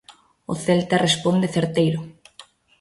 O Celta responde certeiro.